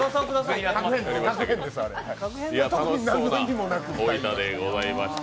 楽しそうな大分でございました。